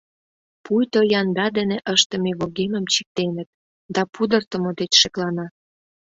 Пуйто янда дене ыштыме вургемым чиктеныт, да пудыртымо деч шеклана.